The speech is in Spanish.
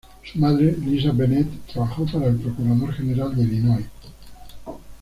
Su madre, Lisa Bennett, trabajó para el Procurador General de Illinois.